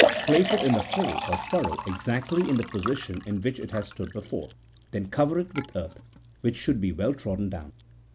Place it in the hole or furrow exactly in the position in which it has stood before, then cover it with earth, which should be well trodden down.